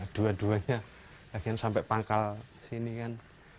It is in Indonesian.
dua duanya akhirnya sampai pangkal sini kan